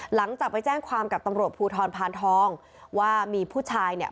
หลังจากไปแจ้งความกับตำรวจภูทรพานทองว่ามีผู้ชายเนี่ย